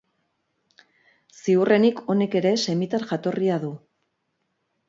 Ziurrenik honek ere semitar jatorria du.